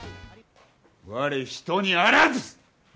われ、人にあらず！